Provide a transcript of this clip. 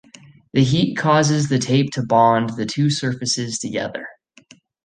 The heat causes the tape to bond the two surfaces together.